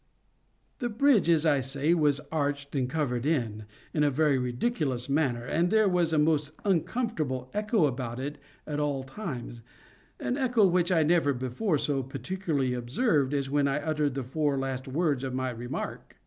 The bridge, as I say, was arched and covered in, in a very ridiculous manner, and there was a most uncomfortable echo about it at all times—an echo which I never before so particularly observed as when I uttered the four last words of my remark.